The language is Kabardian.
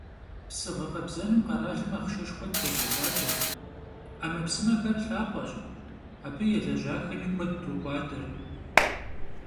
Psı ğekhebzenım kheralım axhşşeşşxue trêğek'uade: 'emepsımexer lhap'eş, abı yêlejaxemi kued tok'uade.